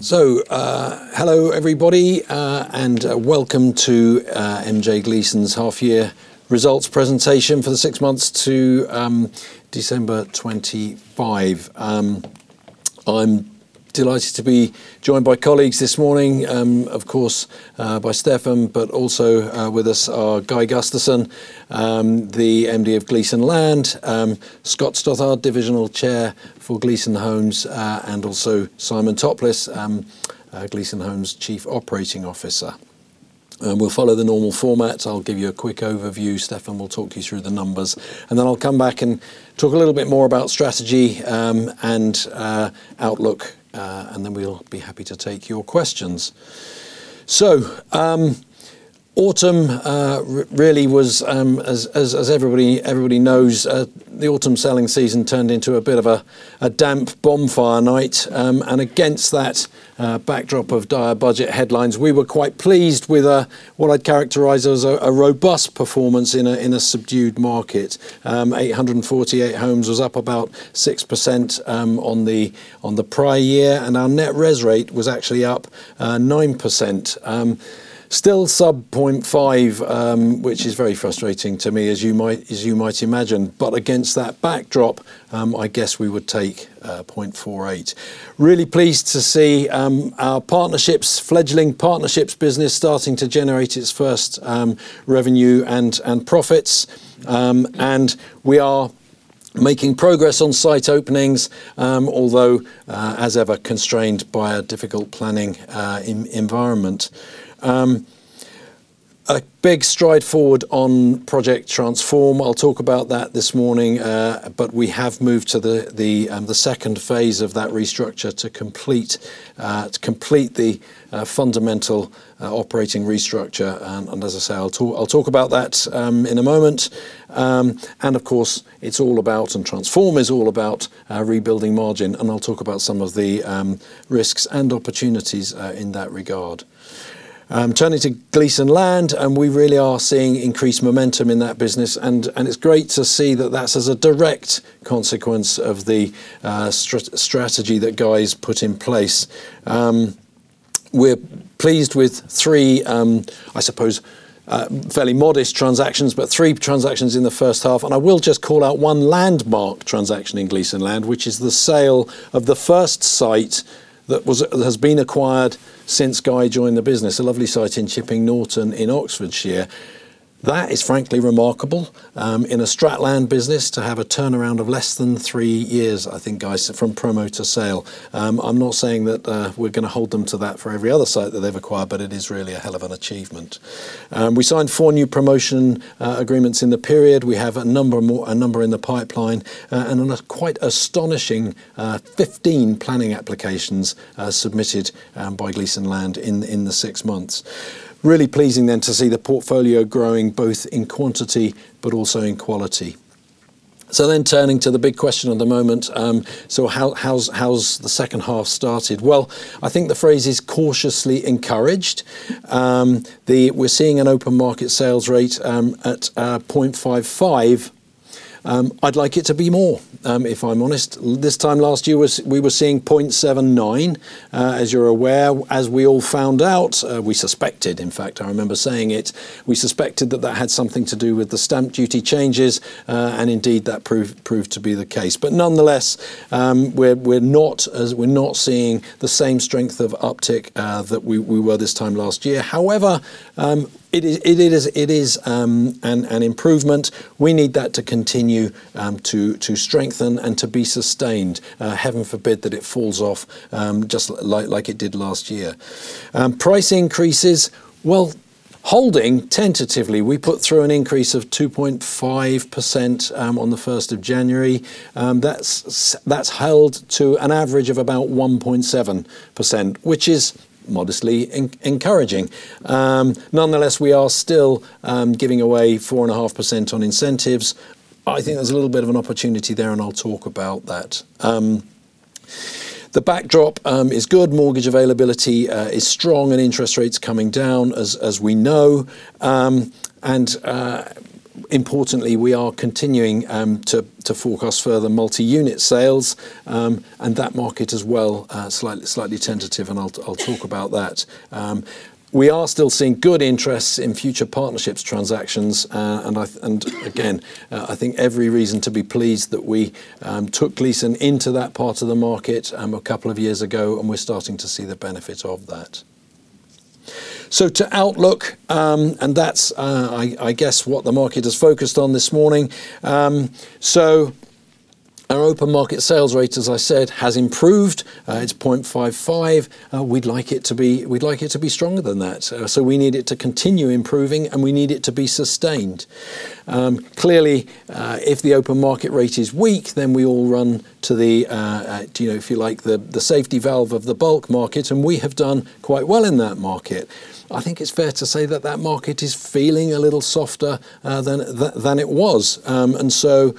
So, hello, everybody, and welcome to MJ Gleeson's half year results presentation for the six months to December 25. I'm delighted to be joined by colleagues this morning, of course, by Stefan, but also, with us are Guy Gusterson, the MD of Gleeson Land, Scott Stothard, Divisional Chair for Gleeson Homes, and also Simon Topliss, Gleeson Homes' Chief Operating Officer. We'll follow the normal format. I'll give you a quick overview. Stefan will talk you through the numbers, and then I'll come back and talk a little bit more about strategy, and outlook, and then we'll be happy to take your questions. So, autumn really was, as everybody knows, the autumn selling season turned into a bit of a damp bonfire night. And against that backdrop of dire budget headlines, we were quite pleased with what I'd characterize as a robust performance in a subdued market. 848 homes was up about 6% on the prior year, and our net res rate was actually up 9%. Still sub 0.5%, which is very frustrating to me, as you might imagine. But against that backdrop, I guess we would take 0.48%. Really pleased to see our partnerships, fledgling partnerships business starting to generate its first revenue and profits. And we are making progress on site openings, although, as ever, constrained by a difficult planning environment. A big stride forward on Project Transform. I'll talk about that this morning, but we have moved to the second phase of that restructure to complete the fundamental operating restructure. And as I say, I'll talk about that in a moment. And of course, it's all about, and Transform is all about, rebuilding margin, and I'll talk about some of the risks and opportunities in that regard. Turning to Gleeson Land, and we really are seeing increased momentum in that business, and it's great to see that that's as a direct consequence of the strategy that Guy's put in place. We're pleased with three, I suppose, fairly modest transactions, but three transactions in the first half, and I will just call out one landmark transaction in Gleeson Land, which is the sale of the first site that has been acquired since Guy joined the business, a lovely site in Chipping Norton in Oxfordshire. That is frankly remarkable in a Strategic Land business, to have a turnaround of less than three years, I think, Guy, from promo to sale. I'm not saying that we're gonna hold them to that for every other site that they've acquired, but it is really a hell of an achievement. We signed four new promotion agreements in the period. We have a number in the pipeline, and on a quite astonishing 15 planning applications submitted by Gleeson Land in the six months. Really pleasing then to see the portfolio growing both in quantity, but also in quality. So then turning to the big question of the moment, so how's the second half started? Well, I think the phrase is cautiously encouraged. We're seeing an open market sales rate at 0.55%. I'd like it to be more, if I'm honest. This time last year, we were seeing 0.79%. As you're aware, as we all found out, we suspected, in fact, I remember saying it, we suspected that that had something to do with the stamp duty changes, and indeed, that proved to be the case. But nonetheless, we're not seeing the same strength of uptick that we were this time last year. However, it is an improvement. We need that to continue to strengthen and to be sustained. Heaven forbid that it falls off, just like it did last year. Price increases, well, holding tentatively, we put through an increase of 2.5% on the 1st of January. That's held to an average of about 1.7%, which is modestly encouraging. Nonetheless, we are still giving away 4.5% on incentives. I think there's a little bit of an opportunity there, and I'll talk about that. The backdrop is good. Mortgage availability is strong, and interest rates coming down, as we know. Importantly, we are continuing to forecast further multi-unit sales, and that market as well, slightly tentative, and I'll talk about that. We are still seeing good interest in future partnerships, transactions, and again, I think every reason to be pleased that we took Gleeson into that part of the market, a couple of years ago, and we're starting to see the benefit of that. So to outlook, and that's, I guess, what the market is focused on this morning. So our open market sales rate, as I said, has improved. It's 0.55%. We'd like it to be, we'd like it to be stronger than that. So we need it to continue improving, and we need it to be sustained. Clearly, if the open market rate is weak, then we all run to the, you know, if you like, the safety valve of the bulk market, and we have done quite well in that market. I think it's fair to say that that market is feeling a little softer than it was. And so,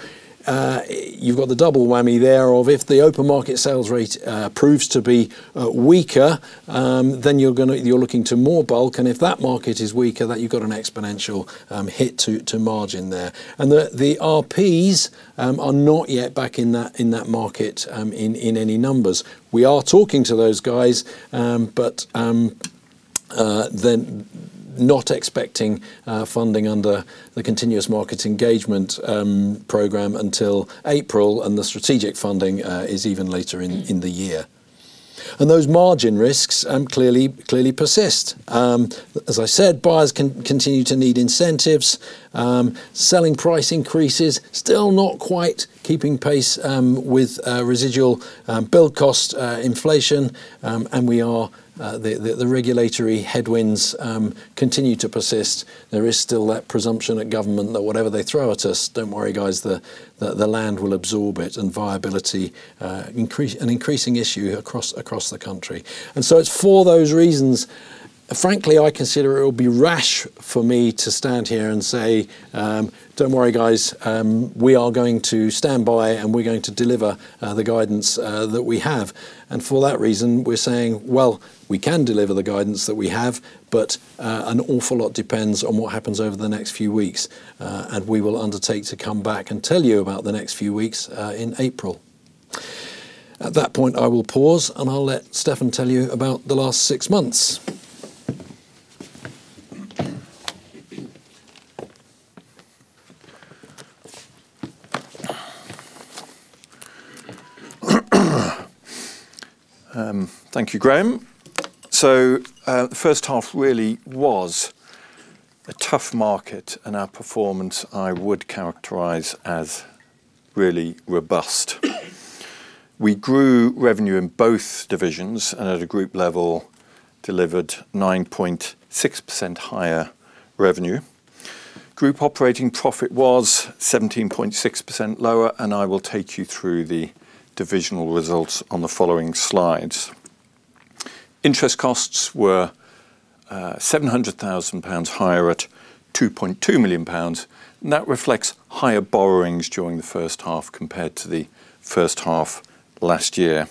you've got the double whammy there of if the open market sales rate proves to be weaker, then you're looking to more bulk, and if that market is weaker, then you've got an exponential hit to margin there. And the RPs are not yet back in that market in any numbers. We are talking to those guys, but then not expecting funding under the Continuous Market Engagement Program until April, and the strategic funding is even later in the year. And those margin risks clearly persist. As I said, buyers continue to need incentives. Selling price increases still not quite keeping pace with residual build cost inflation. And we are the regulatory headwinds continue to persist. There is still that presumption at government that whatever they throw at us, "Don't worry, guys, the land will absorb it," and viability, an increasing issue across the country. And so it's for those reasons, frankly, I consider it would be rash for me to stand here and say, "Don't worry, guys, we are going to stand by, and we're going to deliver the guidance that we have." And for that reason, we're saying, "Well, we can deliver the guidance that we have, but an awful lot depends on what happens over the next few weeks." And we will undertake to come back and tell you about the next few weeks in April. At that point, I will pause, and I'll let Stefan tell you about the last six months. Thank you, Graham. So, the first half really was a tough market, and our performance I would characterize as really robust. We grew revenue in both divisions, and at a group level, delivered 9.6% higher revenue. Group operating profit was 17.6% lower, and I will take you through the divisional results on the following slides. Interest costs were 700,000 pounds higher at 2.2 million pounds, and that reflects higher borrowings during the first half compared to the first half last year.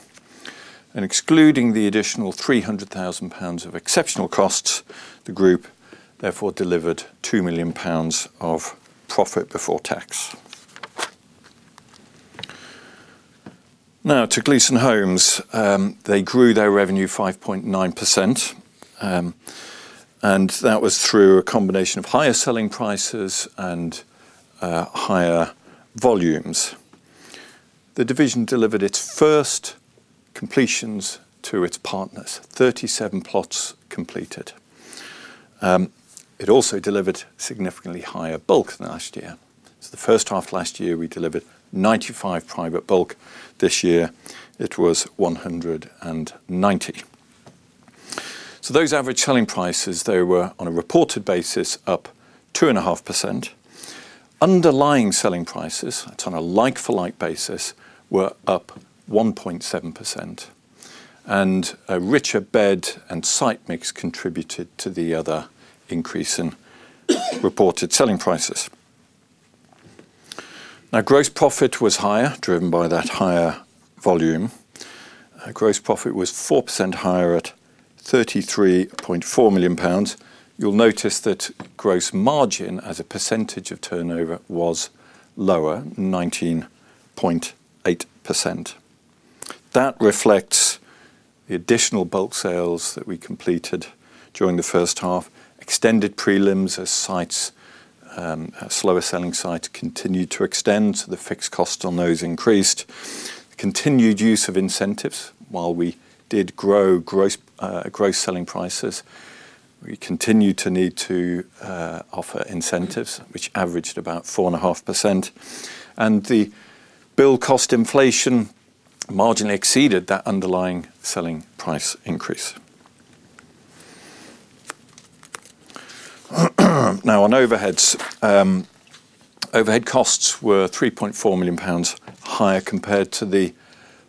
Excluding the additional 300,000 pounds of exceptional costs, the group therefore delivered 2 million pounds of profit before tax. Now, to Gleeson Homes, they grew their revenue 5.9%, and that was through a combination of higher selling prices and higher volumes. The division delivered its first completions to its partners, 37 plots completed. It also delivered significantly higher bulk than last year. So the first half last year, we delivered 95 private bulk. This year, it was 190. So those average selling prices, they were, on a reported basis, up 2.5%. Underlying selling prices, that's on a like-for-like basis, were up 1.7%, and a richer bed and site mix contributed to the other increase in reported selling prices. Now, gross profit was higher, driven by that higher volume. Gross profit was 4% higher at 33.4 million pounds. You'll notice that gross margin as a percentage of turnover was lower, 19.8%. That reflects the additional bulk sales that we completed during the first half, extended prelims as sites, slower-selling sites continued to extend, so the fixed costs on those increased. Continued use of incentives, while we did grow gross, gross selling prices, we continued to need to offer incentives, which averaged about 4.5%, and the build cost inflation marginally exceeded that underlying selling price increase. Now, on overheads, overhead costs were 3.4 million pounds higher compared to the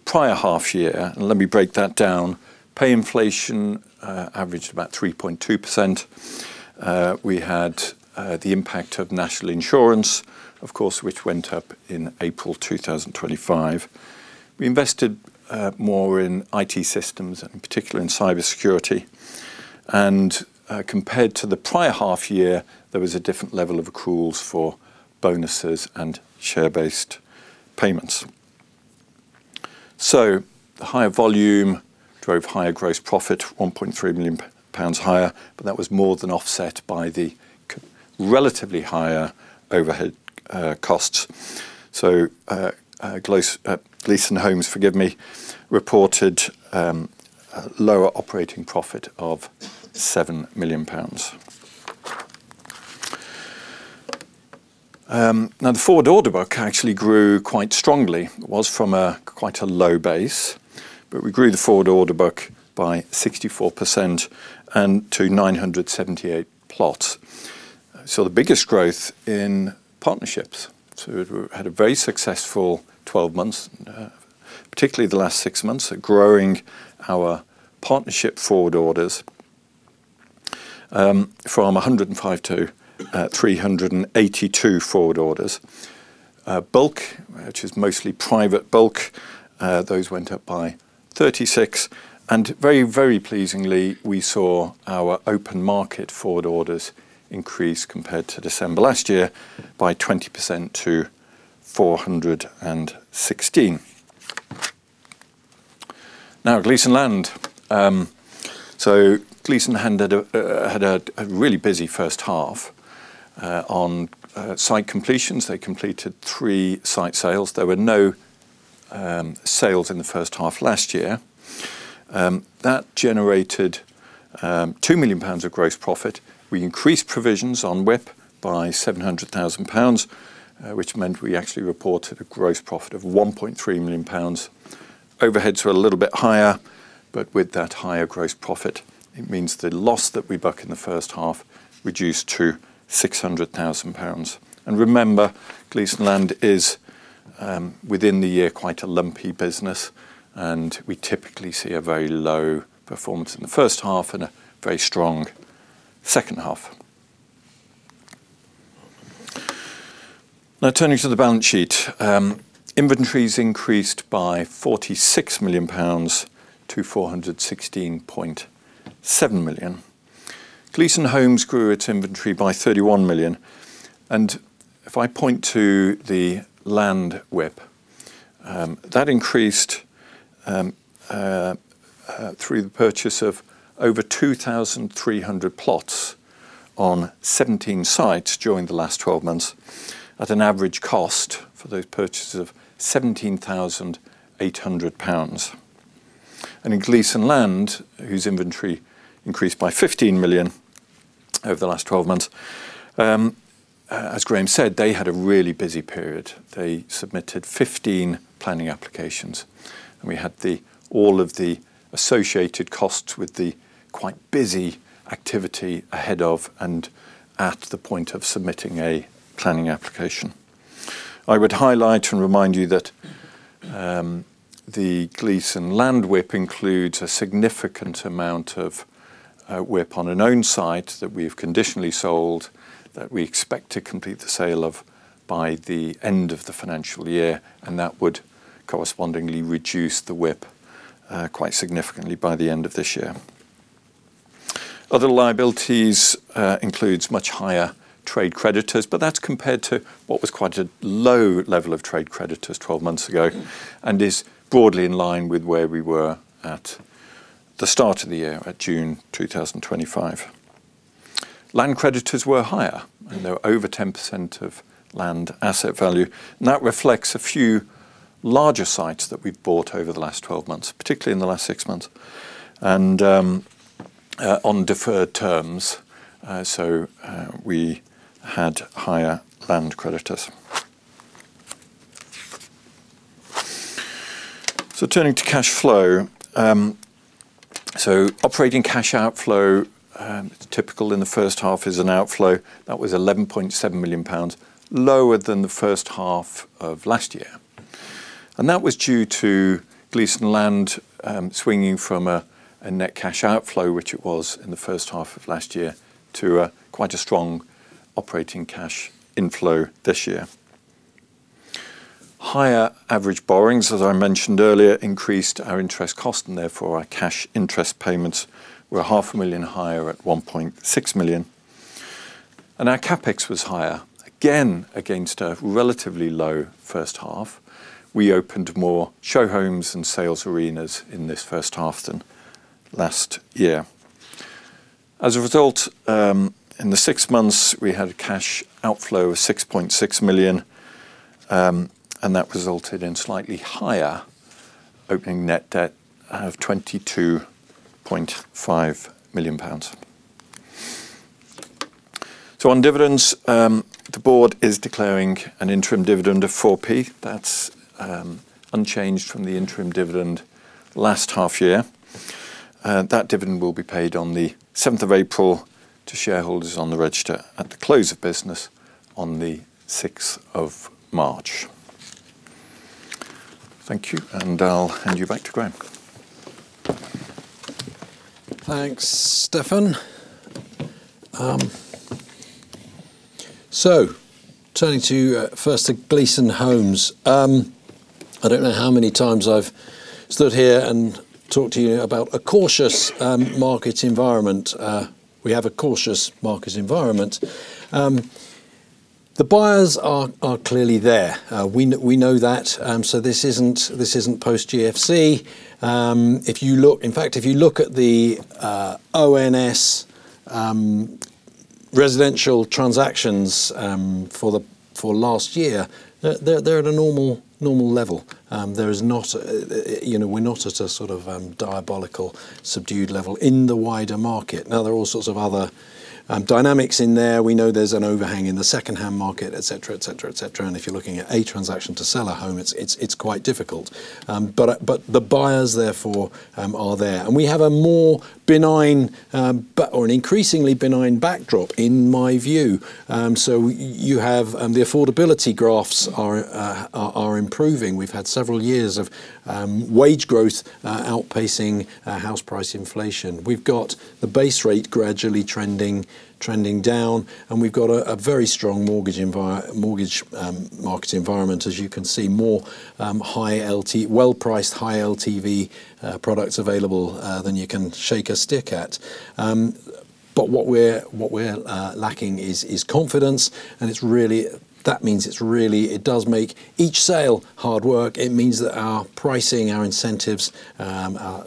prior half year, and let me break that down. Pay inflation averaged about 3.2%. We had the impact of National Insurance, of course, which went up in April 2025. We invested more in IT systems, and in particular in cybersecurity. Compared to the prior half year, there was a different level of accruals for bonuses and share-based payments. So the higher volume drove higher gross profit, 1.3 million pounds higher, but that was more than offset by the relatively higher overhead costs. So, Gleeson Homes, forgive me, reported a lower operating profit of 7 million pounds. Now, the forward order book actually grew quite strongly. It was from quite a low base, but we grew the forward order book by 64% and to 978 plots. So the biggest growth in partnerships, so we had a very successful 12 months, particularly the last six months, at growing our partnership forward orders, from 105 to 382 forward orders. Bulk, which is mostly private bulk, those went up by 36, and very, very pleasingly, we saw our open market forward orders increase compared to December last year by 20% to 416. Now, Gleeson Land. So Gleeson Land had a really busy first half on site completions. They completed three site sales. There were no sales in the first half last year. That generated 2 million pounds of gross profit. We increased provisions on WIP by 700,000 pounds, which meant we actually reported a gross profit of 1.3 million pounds. Overheads were a little bit higher, but with that higher gross profit, it means the loss that we book in the first half reduced to 600,000 pounds. And remember, Gleeson Land is, within the year, quite a lumpy business, and we typically see a very low performance in the first half and a very strong second half. Now, turning to the balance sheet. Inventories increased by 46 million pounds to 416.7 million. Gleeson Homes grew its inventory by 31 million, and if I point to the land WIP, that increased through the purchase of over 2,300 plots on 17 sites during the last 12 months, at an average cost for those purchases of 17,800 pounds. And in Gleeson Land, whose inventory increased by 15 million over the last 12 months, as Graham said, they had a really busy period. They submitted 15 planning applications, and we had all of the associated costs with the quite busy activity ahead of and at the point of submitting a planning application. I would highlight and remind you that the Gleeson Land WIP includes a significant amount of WIP on an owned site that we've conditionally sold, that we expect to complete the sale of by the end of the financial year, and that would correspondingly reduce the WIP quite significantly by the end of this year. Other liabilities includes much higher trade creditors, but that's compared to what was quite a low level of trade creditors 12 months ago, and is broadly in line with where we were at the start of the year, at June 2025. Land creditors were higher, and they were over 10% of land asset value, and that reflects a few larger sites that we've bought over the last 12 months, particularly in the last six months, and on deferred terms, so we had higher land creditors. So turning to cash flow. Operating cash outflow, typical in the first half, is an outflow. That was 11.7 million pounds, lower than the first half of last year. And that was due to Gleeson Land, swinging from a net cash outflow, which it was in the first half of last year, to quite a strong operating cash inflow this year. Higher average borrowings, as I mentioned earlier, increased our interest cost, and therefore our cash interest payments were 500,000 higher at 1.6 million. Our CapEx was higher, again, against a relatively low first half. We opened more show homes and sales arenas in this first half than last year. As a result, in the six months, we had a cash outflow of 6.6 million, and that resulted in slightly higher opening net debt of 22.5 million pounds. So on dividends, the board is declaring an interim dividend of 4p. That's unchanged from the interim dividend last half year. That dividend will be paid on the 7th of April to shareholders on the register at the close of business on the 6th of March. Thank you, and I'll hand you back to Graham. Thanks, Stefan. So turning to first to Gleeson Homes. I don't know how many times I've stood here and talked to you about a cautious market environment. We have a cautious market environment. The buyers are clearly there. We know that, so this isn't post GFC. If you look... In fact, if you look at the ONS residential transactions for last year, they're at a normal level. There is not, you know, we're not at a sort of diabolical subdued level in the wider market. Now, there are all sorts of other dynamics in there. We know there's an overhang in the secondhand market, et cetera, et cetera, et cetera, and if you're looking at a transaction to sell a home, it's quite difficult. But the buyers therefore are there. And we have a more benign, but or an increasingly benign backdrop, in my view. So you have the affordability graphs are improving. We've had several years of wage growth outpacing house price inflation. We've got the base rate gradually trending down, and we've got a very strong mortgage market environment, as you can see, more well-priced, high LTV products available than you can shake a stick at. But... But what we're lacking is confidence, and it's really, that means it's really, it does make each sale hard work. It means that our pricing, our incentives, our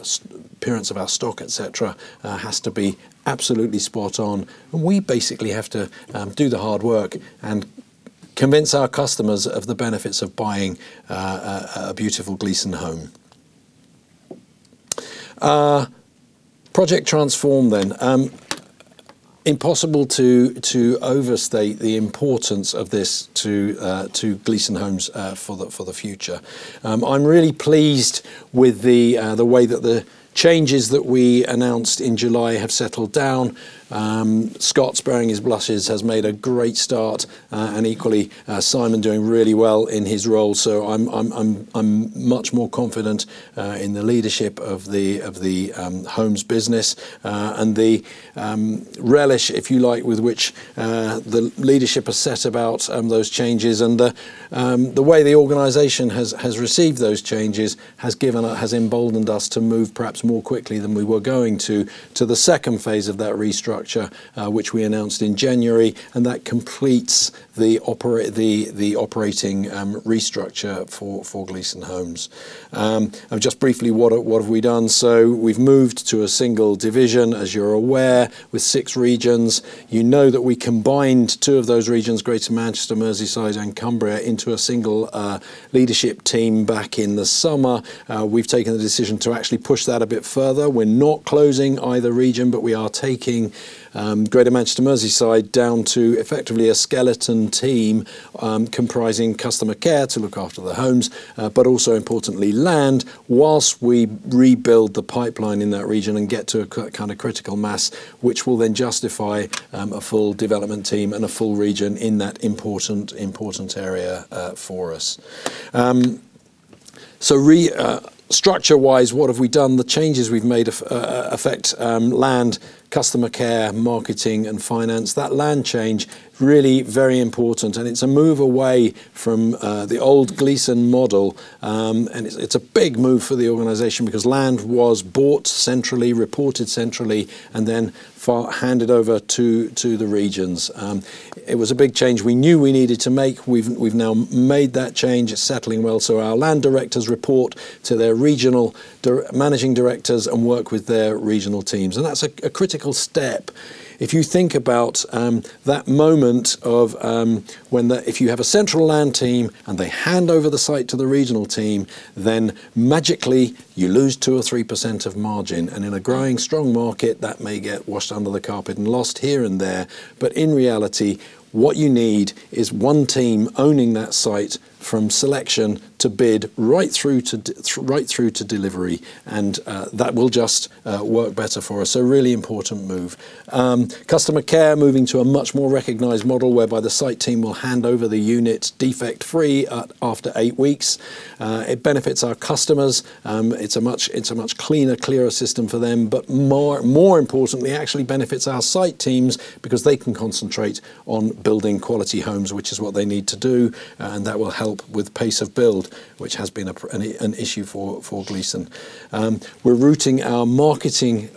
appearance of our stock, et cetera, has to be absolutely spot on. We basically have to do the hard work and convince our customers of the benefits of buying a beautiful Gleeson home. Project Transform then. Impossible to overstate the importance of this to Gleeson Homes for the future. I'm really pleased with the way that the changes that we announced in July have settled down. Scott, sparing his blushes, has made a great start, and equally, Simon doing really well in his role. So I'm much more confident in the leadership of the homes business, and the relish, if you like, with which the leadership has set about those changes and the way the organization has received those changes, has given us, has emboldened us to move perhaps more quickly than we were going to, to the second phase of that restructure, which we announced in January, and that completes the operating restructure for Gleeson Homes. And just briefly, what have we done? So we've moved to a single division, as you're aware, with six regions. You know that we combined two of those regions, Greater Manchester, Merseyside, and Cumbria, into a single leadership team back in the summer. We've taken the decision to actually push that a bit further. We're not closing either region, but we are taking Greater Manchester, Merseyside, down to effectively a skeleton team, comprising customer care to look after the homes, but also importantly, land, while we rebuild the pipeline in that region and get to a kind of critical mass, which will then justify a full development team and a full region in that important, important area for us. So structure-wise, what have we done? The changes we've made affect land, customer care, marketing and finance. That land change, really very important, and it's a move away from the old Gleeson model. And it's a big move for the organization because land was bought centrally, reported centrally, and then handed over to the regions. It was a big change we knew we needed to make. We've now made that change. It's settling well, so our land directors report to their regional managing directors and work with their regional teams, and that's a critical step. If you think about that moment of, if you have a central land team and they hand over the site to the regional team, then magically, you lose 2% or 3% of margin, and in a growing, strong market, that may get washed under the carpet and lost here and there. But in reality, what you need is one team owning that site from selection to bid right through to delivery, and that will just work better for us, so a really important move. Customer care, moving to a much more recognized model whereby the site team will hand over the unit defect-free after eight weeks. It benefits our customers. It's a much cleaner, clearer system for them, but more importantly, it actually benefits our site teams because they can concentrate on building quality homes, which is what they need to do, and that will help with pace of build, which has been an issue for Gleeson. We're routing our marketing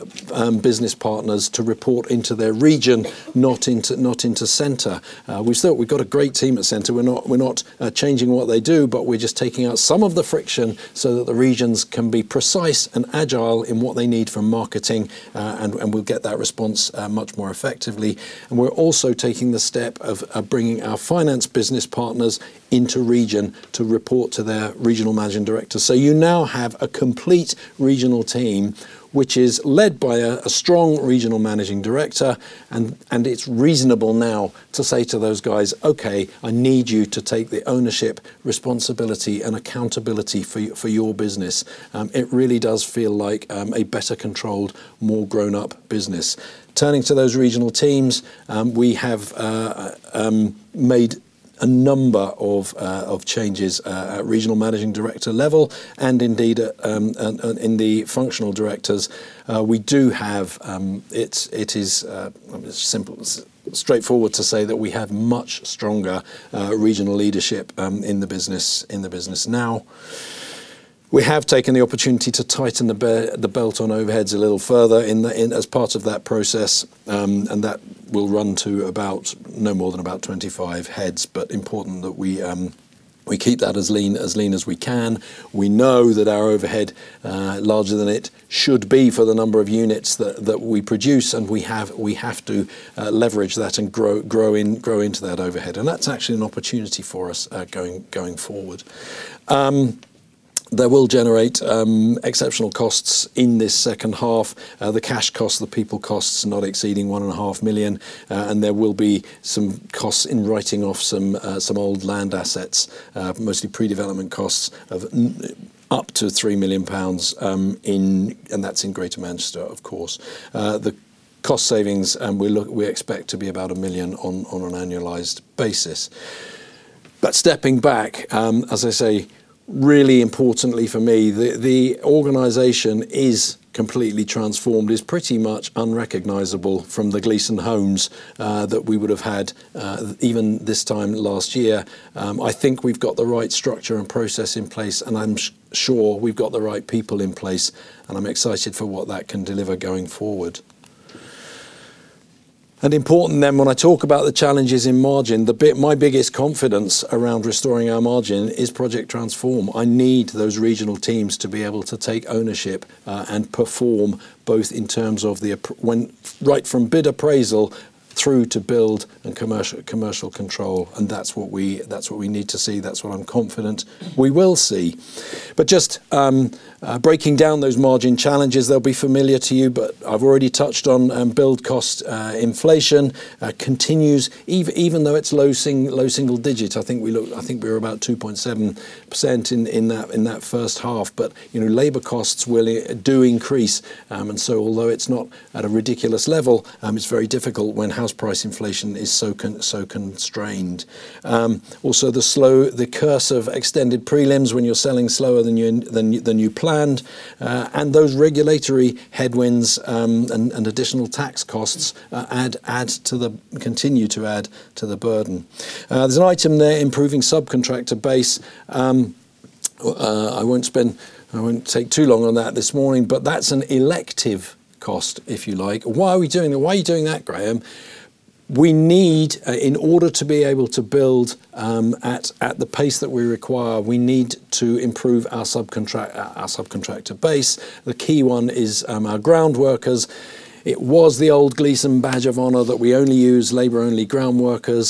business partners to report into their region, not into center. We've got a great team at center. We're not changing what they do, but we're just taking out some of the friction so that the regions can be precise and agile in what they need from marketing, and we'll get that response much more effectively. And we're also taking the step of bringing our finance business partners into region to report to their regional managing director. So you now have a complete regional team, which is led by a strong regional managing director, and it's reasonable now to say to those guys, "Okay, I need you to take the ownership, responsibility, and accountability for your business." It really does feel like a better controlled, more grown-up business. Turning to those regional teams, we have made a number of changes at regional managing director level and indeed in the functional directors. We do have it is simple, straightforward to say that we have much stronger regional leadership in the business now. We have taken the opportunity to tighten the belt on overheads a little further as part of that process, and that will run to about no more than 25 heads, but important that we keep that as lean as we can. We know that our overhead, larger than it should be for the number of units that we produce, and we have to leverage that and grow into that overhead. And that's actually an opportunity for us, going forward. That will generate exceptional costs in this second half. The cash costs, the people costs, are not exceeding 1.5 million, and there will be some costs in writing off some old land assets, mostly pre-development costs of up to 3 million pounds, in Greater Manchester. And that's in Greater Manchester, of course. The cost savings, we expect to be about 1 million on an annualized basis. But stepping back, as I say, really importantly for me, the organization is completely transformed, is pretty much unrecognizable from the Gleeson Homes that we would have had even this time last year. I think we've got the right structure and process in place, and I'm sure we've got the right people in place, and I'm excited for what that can deliver going forward. And important then, when I talk about the challenges in margin, my biggest confidence around restoring our margin is Project Transform. I need those regional teams to be able to take ownership and perform, both in terms of the appraisal when right from bid appraisal through to build and commercial control, and that's what we, that's what we need to see. That's what I'm confident we will see. But just breaking down those margin challenges, they'll be familiar to you, but I've already touched on build cost inflation continues. Even though it's low single, low single digits, I think we're about 2.7% in that first half. But you know, labor costs really do increase. And so although it's not at a ridiculous level, it's very difficult when house price inflation is so constrained. Also, the curse of extended prelims when you're selling slower than you planned, and those regulatory headwinds, and additional tax costs add, continue to add to the burden. There's an item there, improving subcontractor base. I won't take too long on that this morning, but that's an elective cost, if you like. Why are we doing that? Why are you doing that, Graham? We need, in order to be able to build, at the pace that we require, we need to improve our subcontractor base. The key one is our groundworkers. It was the old Gleeson badge of honor that we only use labor-only groundworkers.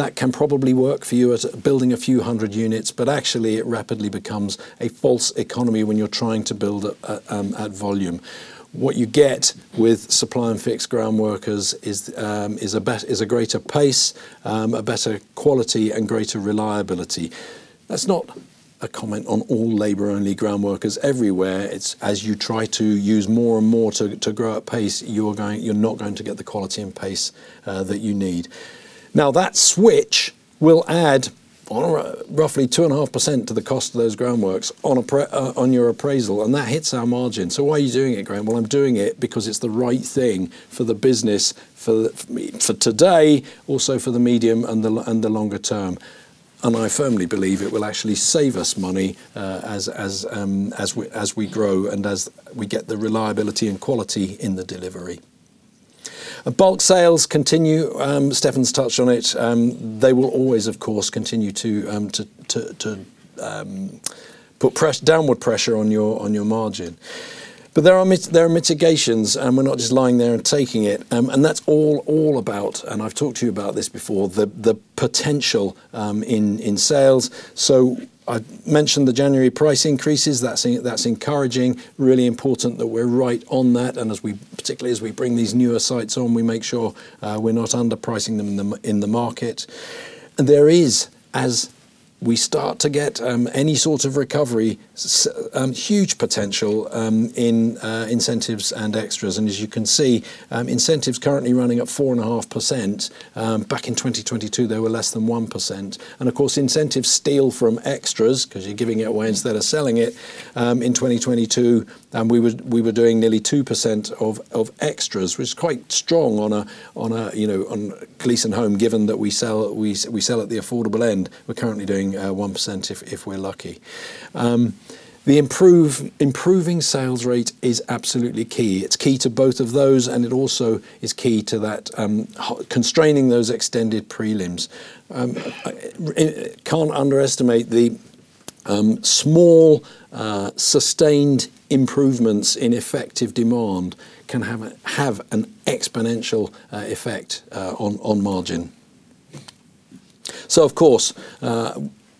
That can probably work for you at building a few hundred units, but actually, it rapidly becomes a false economy when you're trying to build at volume. What you get with supply and fixed groundworkers is a greater pace, a better quality, and greater reliability. That's not a comment on all labor-only groundworkers everywhere. It's as you try to use more and more to, to grow at pace, you're going, you're not going to get the quality and pace that you need. Now, that switch will add on roughly 2.5% to the cost of those groundworks on your appraisal, and that hits our margin. "So why are you doing it, Graham?" Well, I'm doing it because it's the right thing for the business, for today, also for the medium and the longer term. And I firmly believe it will actually save us money, as, as we, as we grow and as we get the reliability and quality in the delivery. Bulk sales continue. Stefan's touched on it. They will always, of course, continue to put downward pressure on your margin. But there are mitigations, and we're not just lying there and taking it. And that's all about, and I've talked to you about this before, the potential in sales. So I mentioned the January price increases. That's encouraging. Really important that we're right on that, and as we, particularly as we bring these newer sites on, we make sure we're not underpricing them in the market. And there is, as we start to get any sort of recovery, huge potential in incentives and extras. And as you can see, incentives currently running at 4.5%. Back in 2022, they were less than 1%. And of course, incentives steal from extras, 'cause you're giving it away instead of selling it. In 2022, we were doing nearly 2% of extras, which is quite strong on a, you know, on Gleeson Homes, given that we sell at the affordable end. We're currently doing 1%, if we're lucky. The improving sales rate is absolutely key. It's key to both of those, and it also is key to constraining those extended prelims. Can't underestimate the small sustained improvements in effective demand can have an exponential effect on margin. So of course,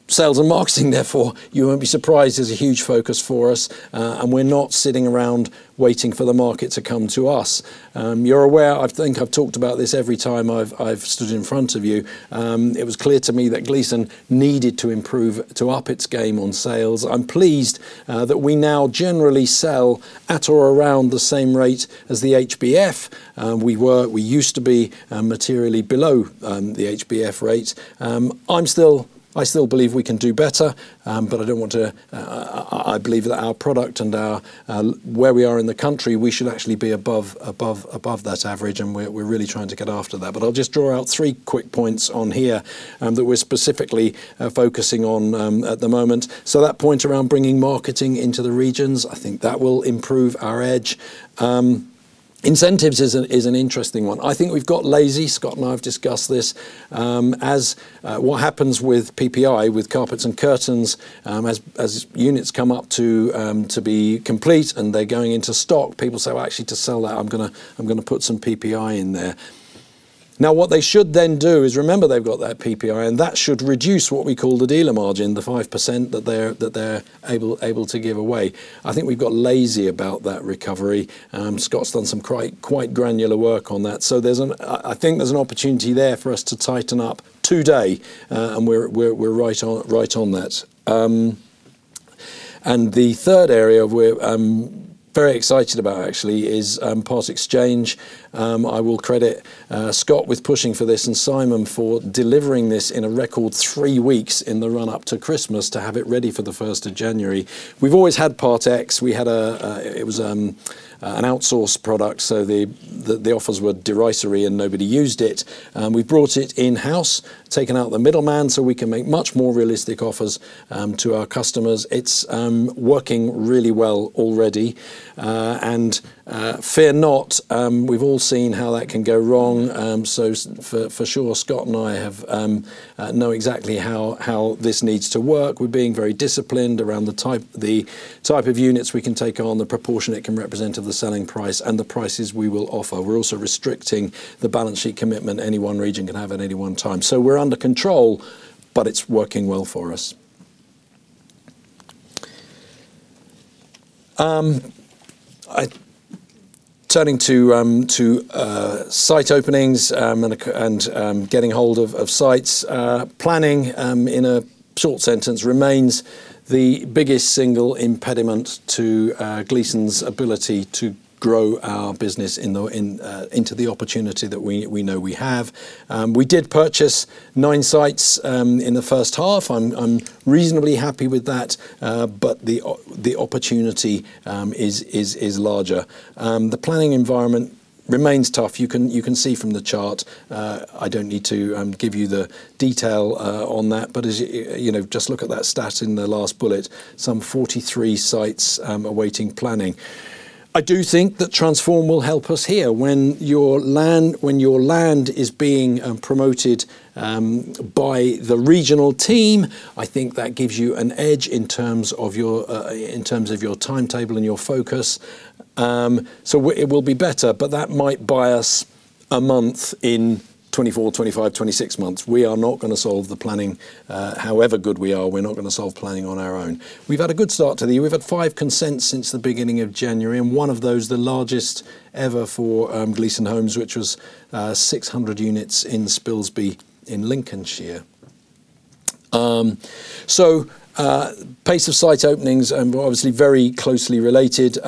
sales and marketing, therefore, you won't be surprised, is a huge focus for us, and we're not sitting around waiting for the market to come to us. You're aware, I think I've talked about this every time I've stood in front of you. It was clear to me that Gleeson needed to improve, to up its game on sales. I'm pleased that we now generally sell at or around the same rate as the HBF. We used to be materially below the HBF rate. I still believe we can do better, but I don't want to. I believe that our product and our where we are in the country, we should actually be above that average, and we're really trying to get after that. But I'll just draw out three quick points on here that we're specifically focusing on at the moment. So that point around bringing marketing into the regions, I think that will improve our edge. Incentives is an interesting one. I think we've got lazy. Scott and I have discussed this. As what happens with PPI, with carpets and curtains, as units come up to be complete and they're going into stock, people say, "Well, actually, to sell that, I'm gonna, I'm gonna put some PPI in there." Now, what they should then do is remember they've got that PPI, and that should reduce what we call the dealer margin, the 5% that they're able to give away. I think we've got lazy about that recovery. Scott's done some quite, quite granular work on that. So I think there's an opportunity there for us to tighten up today, and we're right on that. And the third area where very excited about, actually, is Part Exchange. I will credit Scott with pushing for this and Simon for delivering this in a record three weeks in the run-up to Christmas to have it ready for the first of January. We've always had Part Ex. We had an outsourced product, so the offers were derisory, and nobody used it. And we've brought it in-house, taken out the middleman, so we can make much more realistic offers to our customers. It's working really well already. Fear not, we've all seen how that can go wrong. So for sure, Scott and I have know exactly how this needs to work. We're being very disciplined around the type of units we can take on, the proportion it can represent of the selling price, and the prices we will offer. We're also restricting the balance sheet commitment any one region can have at any one time. So we're under control, but it's working well for us. Turning to site openings and getting hold of sites, planning, in a short sentence, remains the biggest single impediment to Gleeson's ability to grow our business in the in into the opportunity that we know we have. We did purchase nine sites in the first half. I'm reasonably happy with that, but the opportunity is larger. The planning environment remains tough. You can see from the chart. I don't need to give you the detail on that, but as you know, just look at that stat in the last bullet, some 43 sites awaiting planning. I do think that Transform will help us here. When your land is being promoted by the regional team, I think that gives you an edge in terms of your timetable and your focus. So it will be better, but that might buy us a month in 24, 25, 26 months. We are not gonna solve the planning, however good we are, we're not gonna solve planning on our own. We've had a good start to the year. We've had five consents since the beginning of January, and one of those, the largest ever for Gleeson Homes, which was 600 units in Spilsby, in Lincolnshire. So pace of site openings obviously very closely related.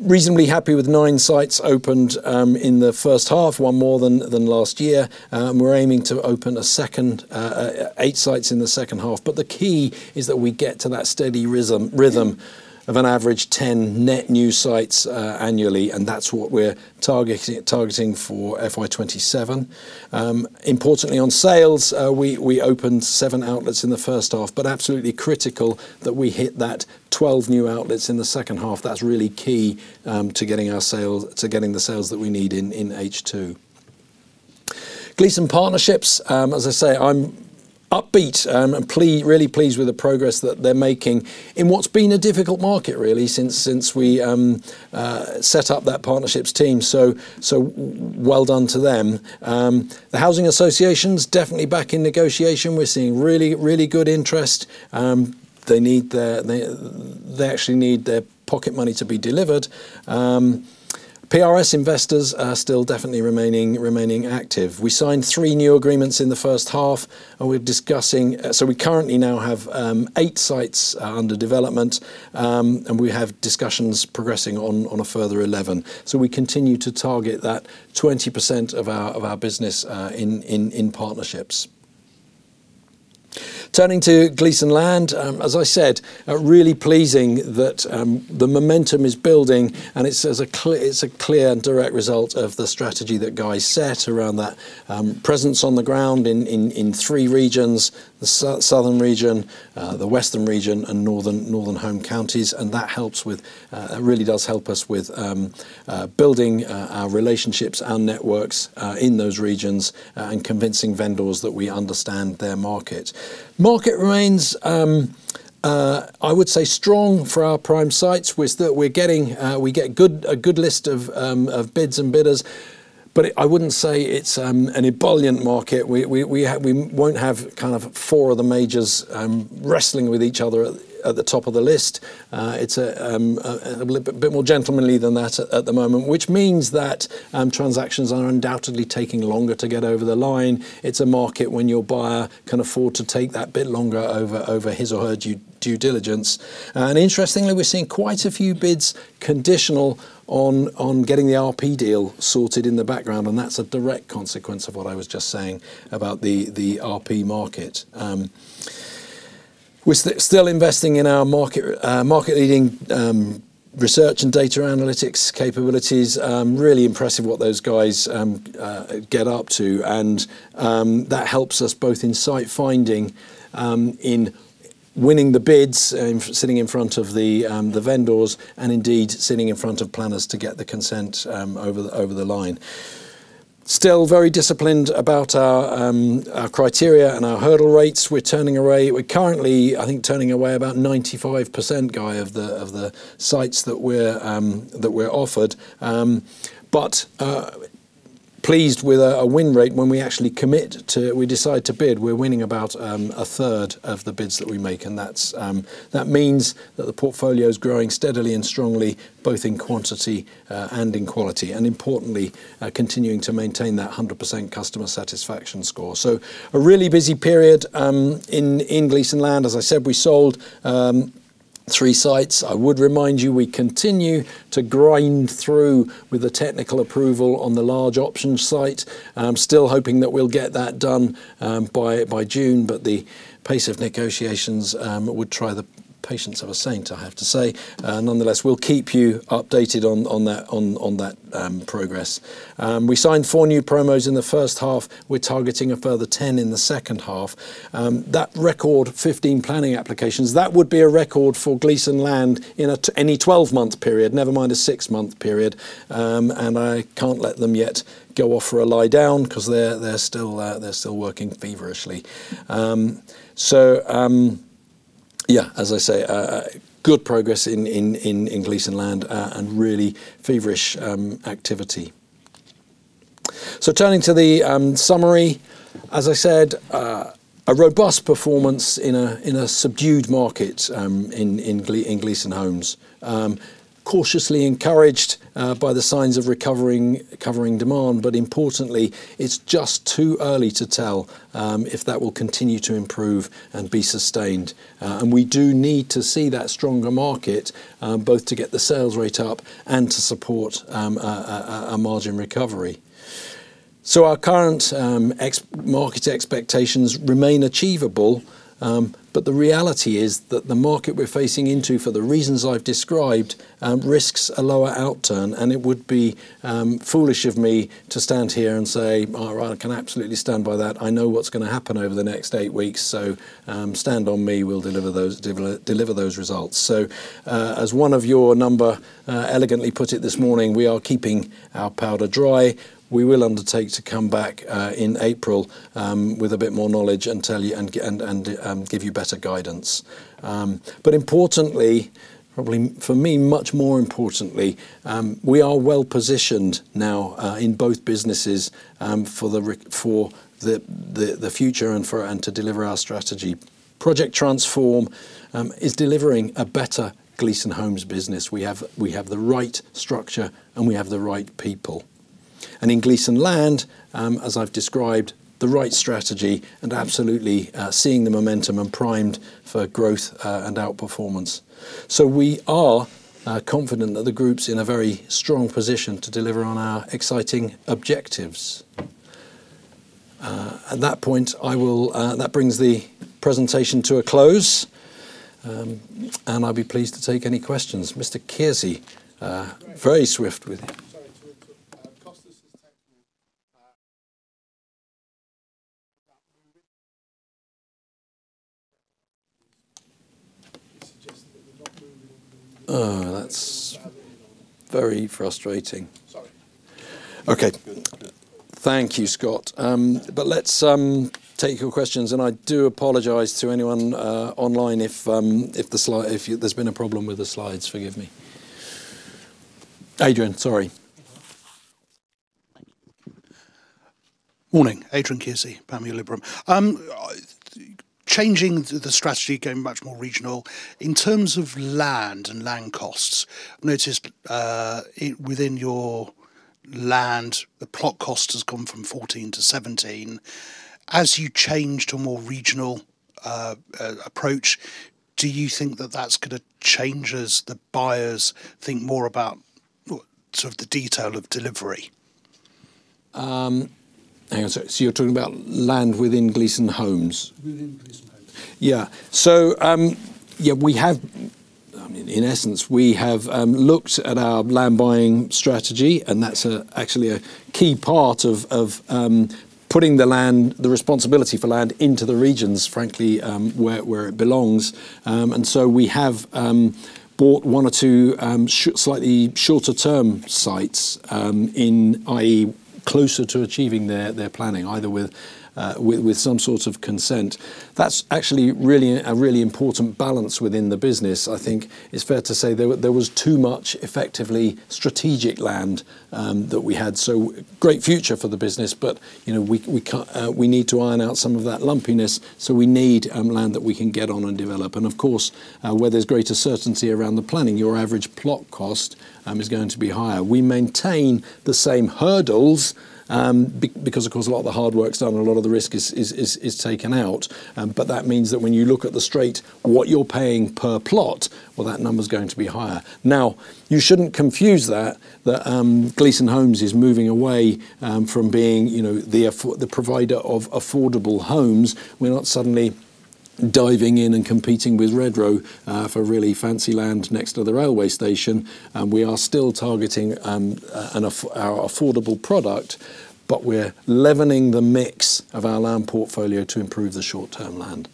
Reasonably happy with nine sites opened in the first half, one more than last year. We're aiming to open eight sites in the second half. But the key is that we get to that steady rhythm of an average 10 net new sites annually, and that's what we're targeting for FY 2027. Importantly, on sales, we opened seven outlets in the first half, but absolutely critical that we hit that 12 new outlets in the second half. That's really key to getting our sales, to getting the sales that we need in H2. Gleeson Partnerships, as I say, I'm upbeat and really pleased with the progress that they're making in what's been a difficult market, really, since we set up that partnerships team, so well done to them. The housing associations definitely back in negotiation. We're seeing really, really good interest. They actually need their pocket money to be delivered. PRS investors are still definitely remaining active. We signed three new agreements in the first half, and we're discussing. So we currently now have eight sites under development, and we have discussions progressing on a further 11. So we continue to target that 20% of our business in partnerships. Turning to Gleeson Land, as I said, really pleasing that the momentum is building, and it's a clear and direct result of the strategy that Guy set around that presence on the ground in three regions, the Southern Region, the Western Region, and Northern Home Counties, and that helps with. It really does help us with building our relationships, our networks in those regions, and convincing vendors that we understand their market. Market remains, I would say, strong for our prime sites. We're still getting a good list of bids and bidders, but I wouldn't say it's an ebullient market. We won't have kind of four of the majors wrestling with each other at the top of the list. It's a bit more gentlemanly than that at the moment, which means that transactions are undoubtedly taking longer to get over the line. It's a market when your buyer can afford to take that bit longer over his or her due diligence. And interestingly, we're seeing quite a few bids conditional on getting the RP deal sorted in the background, and that's a direct consequence of what I was just saying about the RP market. We're still investing in our market-leading research and data analytics capabilities. Really impressive what those guys get up to, and that helps us both in site finding, in winning the bids, sitting in front of the vendors, and indeed, sitting in front of planners to get the consent over the line. Still very disciplined about our criteria and our hurdle rates. We're currently, I think, turning away about 95%, Guy, of the sites that we're offered. But pleased with a win rate. When we actually commit to... We decide to bid, we're winning about a third of the bids that we make, and that's that means that the portfolio is growing steadily and strongly, both in quantity and in quality, and importantly, continuing to maintain that 100% customer satisfaction score. So a really busy period in Gleeson Land. As I said, we sold three sites. I would remind you, we continue to grind through with the technical approval on the large options site. And I'm still hoping that we'll get that done by June, but the pace of negotiations would try the patience of a saint, I have to say. Nonetheless, we'll keep you updated on that progress. We signed four new promos in the first half. We're targeting a further 10 in the second half. That record 15 planning applications, that would be a record for Gleeson Land in any 12-month period, never mind a six-month period. And I can't let them yet go off for a lie down 'cause they're still working feverishly. So, yeah, as I say, good progress in Gleeson Land, and really feverish activity. So turning to the summary, as I said, a robust performance in a subdued market, in Gleeson Homes. Cautiously encouraged by the signs of recovering demand, but importantly, it's just too early to tell if that will continue to improve and be sustained. And we do need to see that stronger market, both to get the sales rate up and to support a margin recovery. So our current market expectations remain achievable, but the reality is that the market we're facing into, for the reasons I've described, risks a lower outturn, and it would be foolish of me to stand here and say, "Oh, I can absolutely stand by that. I know what's gonna happen over the next eight weeks, so stand on me, we'll deliver those, deliver those results." So, as one of your number elegantly put it this morning, we are keeping our powder dry. We will undertake to come back in April with a bit more knowledge and tell you and give you better guidance. But importantly, probably for me, much more importantly, we are well positioned now, in both businesses, for the future and to deliver our strategy. Project Transform is delivering a better Gleeson Homes business. We have the right structure, and we have the right people. And in Gleeson Land, as I've described, the right strategy and absolutely seeing the momentum and primed for growth, and outperformance. So we are confident that the group's in a very strong position to deliver on our exciting objectives. At that point, I will... that brings the presentation to a close. And I'll be pleased to take any questions. Mr. Kearsey, very swift with you. Sorry to interrupt. Costas is technical. Oh, that's very frustrating. Sorry. Okay. Good. Thank you, Scott. But let's take your questions, and I do apologize to anyone online if there's been a problem with the slides, forgive me. Adrian, sorry. Morning. Adrian Kearsey, Panmure Gordon. Changing the strategy, going much more regional, in terms of land and land costs, I've noticed, within your land, the plot cost has gone from 14 to 17. As you change to a more regional approach, do you think that that's gonna change as the buyers think more about sort of the detail of delivery? Hang on, sorry. You're talking about land within Gleeson Homes? Within Gleeson Homes. Yeah. So, we have, I mean, in essence, we have looked at our land buying strategy, and that's actually a key part of putting the responsibility for land into the regions, frankly, where it belongs. So we have bought one or two slightly shorter term sites, i.e., closer to achieving their planning, either with some sort of consent. That's actually a really important balance within the business. I think it's fair to say there was too much effectively strategic land that we had. So great future for the business, but, you know, we need to iron out some of that lumpiness, so we need land that we can get on and develop. And of course, where there's greater certainty around the planning, your average plot cost is going to be higher. We maintain the same hurdles, because, of course, a lot of the hard work's done and a lot of the risk is taken out. But that means that when you look at the straight, what you're paying per plot, well, that number's going to be higher. Now, you shouldn't confuse that, Gleeson Homes is moving away from being, you know, the provider of affordable homes. We're not suddenly diving in and competing with Redrow for really fancy land next to the railway station. We are still targeting our affordable product, but we're leavening the mix of our land portfolio to improve the short-term land.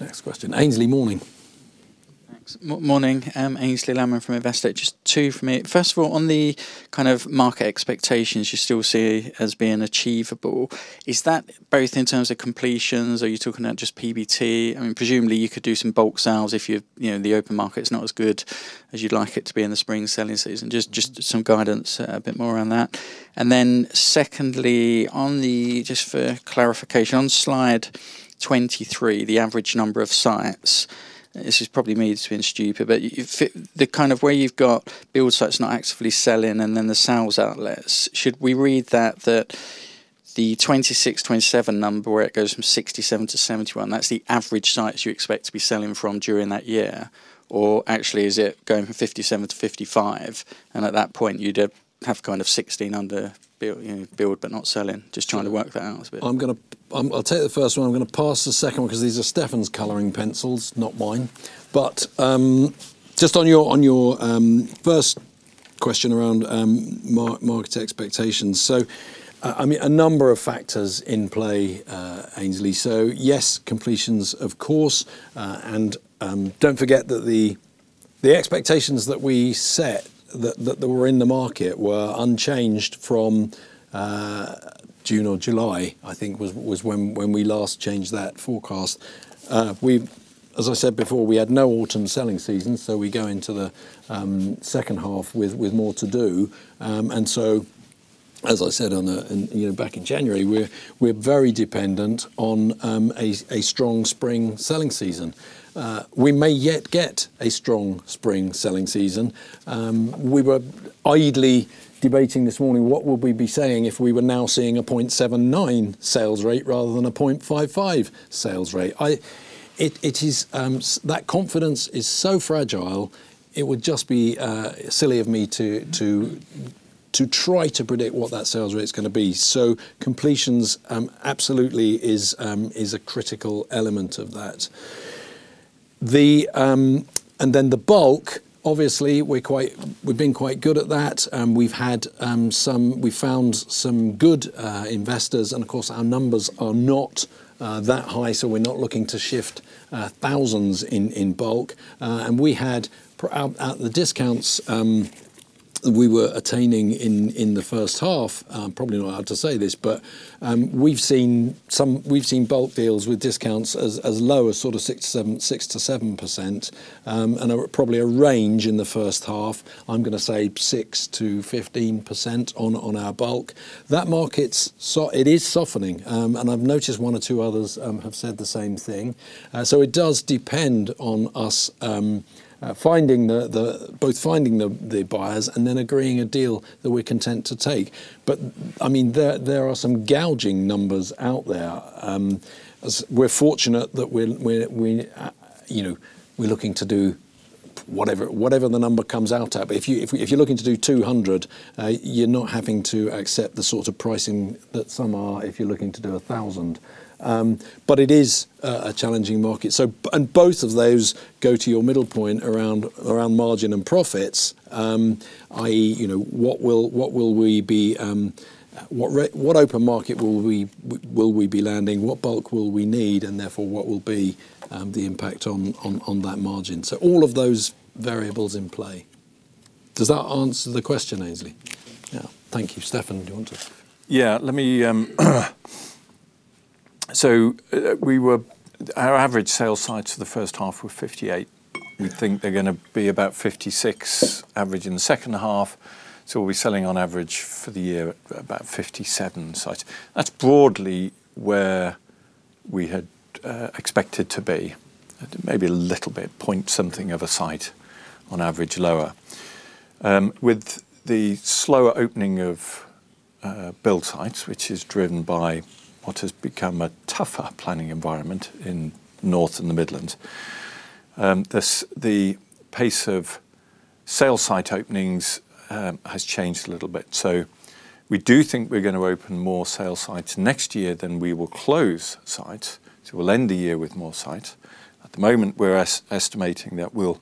Next question. Aynsley, morning. Thanks. Morning, Aynsley Lammin from Investec. Just two from me. First of all, on the kind of market expectations you still see as being achievable, is that both in terms of completions, or are you talking about just PBT? I mean, presumably, you could do some bulk sales if you, you know, the open market is not as good as you'd like it to be in the spring selling season. Just some guidance, a bit more on that. And then secondly, on the... Just for clarification, on slide 23, the average number of sites-... This is probably me just being stupid, but the kind of where you've got build sites not actively selling, and then the sales outlets, should we read that, that the 26, 27 number, where it goes from 67 to 71, that's the average sites you expect to be selling from during that year? Or actually, is it going from 57 to 55, and at that point, you'd have kind of 16 under build, you know, build, but not selling? Just trying to work that out a bit. I'm gonna. I'll take the first one. I'm gonna pass the second one 'cause these are Stefan's coloring pencils, not mine. But, just on your, on your, first question around, market expectations. So, I mean, a number of factors in play, Aynsley. So, yes, completions, of course, and, don't forget that the, the expectations that we set, that, that were in the market were unchanged from, June or July, I think, was, was when, when we last changed that forecast. We've, as I said before, we had no autumn selling season, so we go into the, second half with, with more to do. And so, as I said, on the... and, you know, back in January, we're, we're very dependent on, a, a strong spring selling season. We may yet get a strong spring selling season. We were idly debating this morning, what would we be saying if we were now seeing a 0.79% sales rate rather than a 0.55% sales rate? That confidence is so fragile, it would just be silly of me to try to predict what that sales rate's gonna be. So completions absolutely is a critical element of that. And then, the bulk, obviously, we've been quite good at that. We've found some good investors, and of course, our numbers are not that high, so we're not looking to shift thousands in bulk. And we had for the discounts we were attaining in the first half. I'm probably not allowed to say this, but we've seen bulk deals with discounts as low as sort of 6%, 7%, 6%-7%, and probably a range in the first half. I'm gonna say 6%-15% on our bulk. That market's softening, and I've noticed one or two others have said the same thing. So it does depend on us finding the buyers and then agreeing a deal that we're content to take. But, I mean, there are some gouging numbers out there. As we're fortunate that we, you know, we're looking to do whatever the number comes out at. But if you're looking to do 200, you're not having to accept the sort of pricing that some are, if you're looking to do 1,000. But it is a challenging market. So, and both of those go to your middle point around margin and profits, i.e., you know, what will we be, what open market will we be landing? What bulk will we need, and therefore, what will be the impact on that margin? So all of those variables in play. Does that answer the question, Aynsley? Yeah. Thank you. Stefan, do you want to? Our average sale sites for the first half were 58. We think they're gonna be about 56 average in the second half, so we'll be selling on average for the year, about 57 sites. That's broadly where we had expected to be, maybe a little bit, point something of a site on average, lower. With the slower opening of build sites, which is driven by what has become a tougher planning environment in the North and the Midlands, this, the pace of sale site openings, has changed a little bit. So we do think we're gonna open more sale sites next year than we will close sites, so we'll end the year with more sites. At the moment, we're estimating that we'll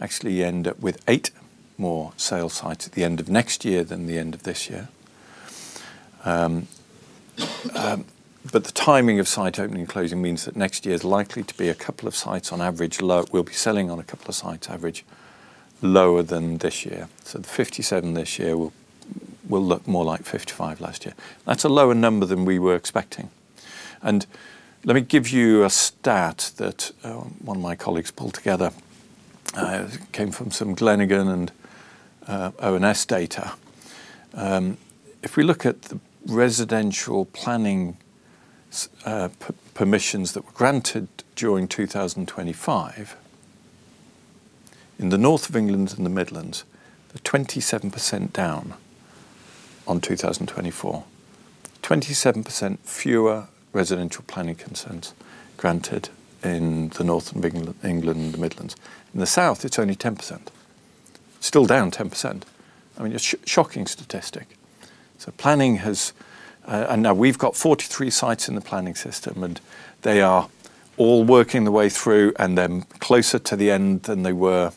actually end up with eight more sale sites at the end of next year than the end of this year. But the timing of site opening and closing means that next year is likely to be a couple of sites on average, low. We'll be selling on a couple of sites, average, lower than this year. So the 57 this year will look more like 55 last year. That's a lower number than we were expecting. And let me give you a stat that one of my colleagues pulled together, came from some Glenigan and ONS data. If we look at the residential planning permissions that were granted during 2025, in the North of England and the Midlands, they're 27% down on 2024. 27% fewer residential planning consents granted in the north of England, England and the Midlands. In the south, it's only 10%. Still down 10%. I mean, a shocking statistic. So planning has. And now we've got 43 sites in the planning system, and they are all working their way through, and they're closer to the end than they were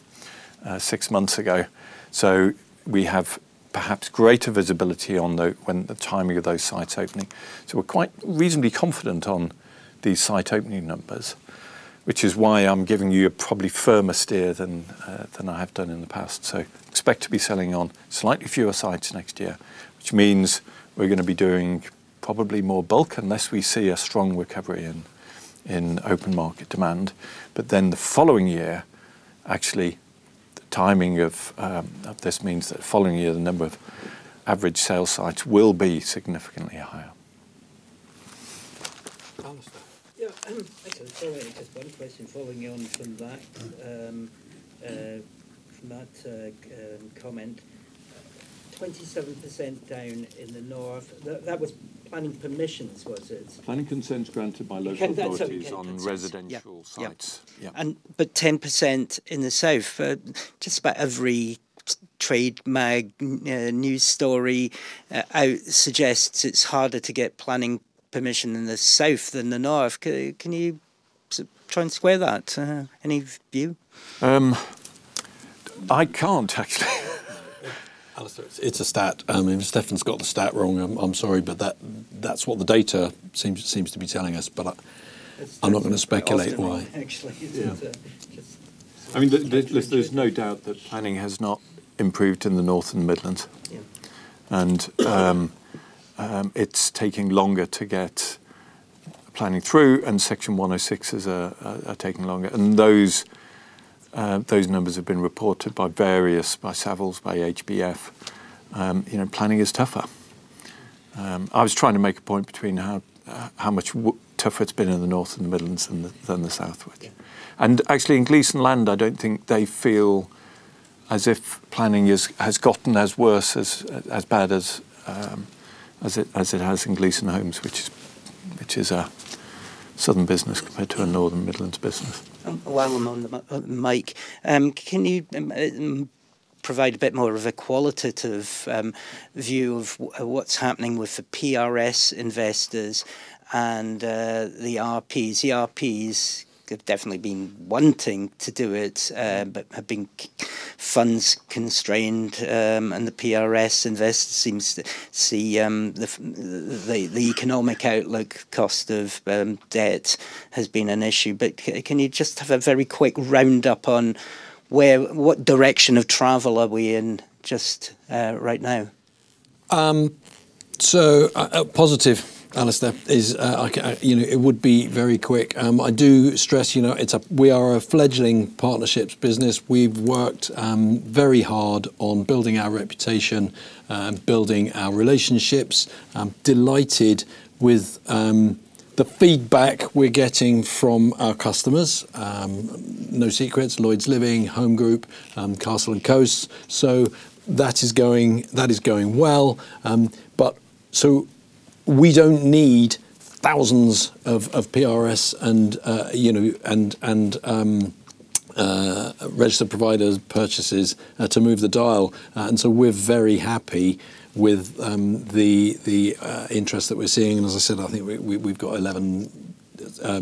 six months ago. So we have perhaps greater visibility on the timing of those sites opening. So we're quite reasonably confident on these site opening numbers, which is why I'm giving you a probably firmer steer than I have done in the past. So expect to be selling on slightly fewer sites next year, which means we're gonna be doing probably more bulk unless we see a strong recovery in open market demand. But then the following year, actually, the timing of this means that the following year, the number of average sale sites will be significantly higher.... Alastair? Yeah, sorry, just one question following on from that comment. 27% down in the north, that was planning permissions, was it? Planning consents granted by local- Okay, that's okay.... authorities on residential sites. Yep, yep. Yeah. But 10% in the south, just about every trade mag, news story, suggests it's harder to get planning permission in the south than the north. Can you try and square that? Any view? I can't actually. Alastair, it's a stat. I mean, if Stefan's got the stat wrong, I'm sorry, but that's what the data seems to be telling us, but I'm not going to speculate why. Actually, yeah. I mean, there's no doubt that planning has not improved in the North and Midlands. Yeah. It's taking longer to get planning through, and Section 106 is taking longer. And those numbers have been reported by various, by Savills, by HBF. You know, planning is tougher. I was trying to make a point between how much tougher it's been in the North and the Midlands than the South. Yeah. Actually, in Gleeson Land, I don't think they feel as if planning has gotten as bad as it has in Gleeson Homes, which is a southern business compared to a Northern Midlands business. While I'm on the mic, can you provide a bit more of a qualitative view of what's happening with the PRS investors and the RPs? The RPs have definitely been wanting to do it, but have been funds constrained, and the PRS investors seems to see the economic outlook cost of debt has been an issue. But can you just have a very quick round up on what direction of travel are we in just right now? So, a positive, Alastair, is. I, you know, it would be very quick. I do stress, you know, it's a we are a fledgling partnerships business. We've worked very hard on building our reputation and building our relationships. I'm delighted with the feedback we're getting from our customers. No secrets, Lloyds Living, Home Group, Castles & Coasts. So that is going, that is going well. But so we don't need thousands of PRS and, you know, and registered provider purchases to move the dial. And so we're very happy with the interest that we're seeing. And as I said, I think we've got 11,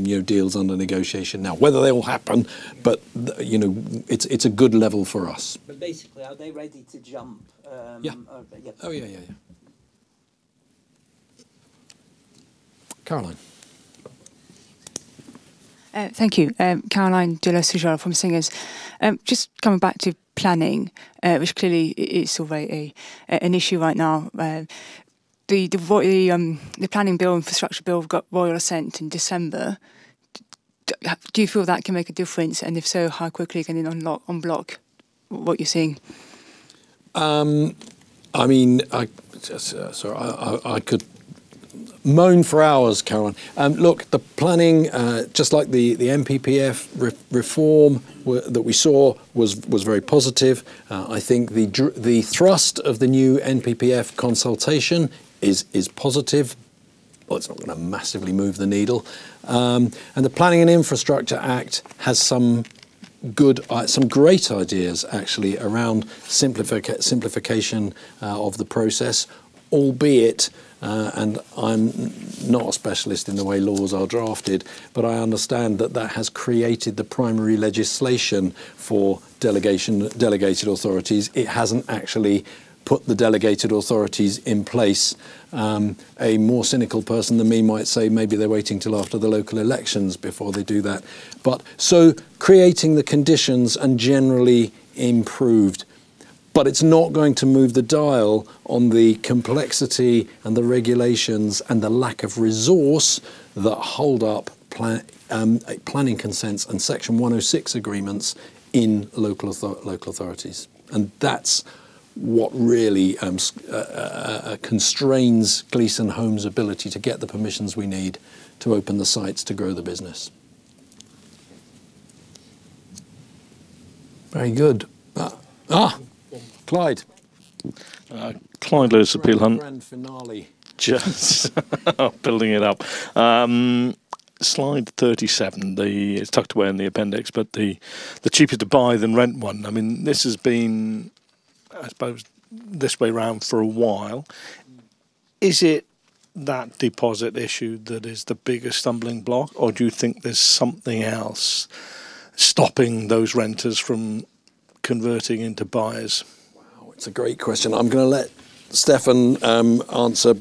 you know, deals under negotiation now. Whether they all happen, but, you know, it's a good level for us. But basically, are they ready to jump? Yeah. Are they? Yeah. Oh, yeah, yeah, yeah. Caroline. Thank you. Caroline de La Soujeole from Singer Capital Markets. Just coming back to planning, which clearly is still very an issue right now. The planning bill, infrastructure bill, got royal assent in December. Do you feel that can make a difference? And if so, how quickly can it unlock, unblock what you're seeing? I mean, so I could moan for hours, Caroline. Look, the planning, just like the NPPF reform that we saw was very positive. I think the thrust of the new NPPF consultation is positive, but it's not gonna massively move the needle. And the Planning and Infrastructure Act has some great ideas, actually, around simplification of the process, albeit, and I'm not a specialist in the way laws are drafted, but I understand that that has created the primary legislation for delegated authorities. It hasn't actually put the delegated authorities in place. A more cynical person than me might say, maybe they're waiting till after the local elections before they do that. But so creating the conditions and generally improved, but it's not going to move the dial on the complexity and the regulations and the lack of resource that hold up planning consents and Section 106 agreements in local authorities. And that's what really constrains Gleeson Homes' ability to get the permissions we need to open the sites to grow the business. Very good. Clyde. Clyde Lewis with Peel Hunt. Grand finale. Just building it up. Slide 37, the... It's tucked away in the appendix, but the cheaper to buy than rent one. I mean, this has been, I suppose, this way round for a while. Is it that deposit issue that is the biggest stumbling block, or do you think there's something else stopping those renters from converting into buyers? Wow, it's a great question. I'm gonna let Stefan answer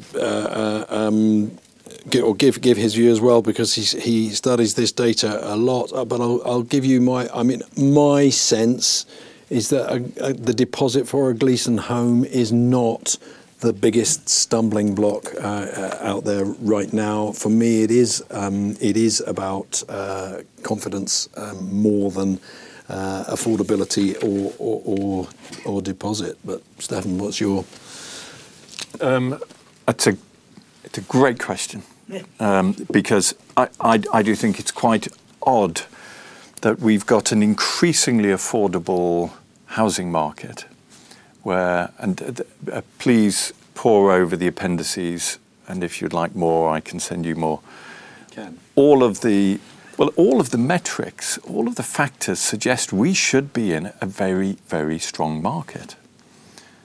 or give his view as well, because he studies this data a lot. But I'll give you my... I mean, my sense is that the deposit for a Gleeson Home is not the biggest stumbling block out there right now. For me, it is about confidence more than affordability or deposit. But Stefan, what's your-... That's a great question, because I do think it's quite odd that we've got an increasingly affordable housing market where— please pore over the appendices, and if you'd like more, I can send you more. Yeah. Well, all of the metrics, all of the factors suggest we should be in a very, very strong market.